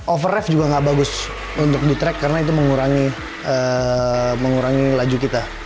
overraft juga nggak bagus untuk di track karena itu mengurangi laju kita